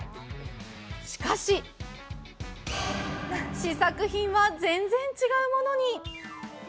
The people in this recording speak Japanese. しかし、試作品は全然違うものに。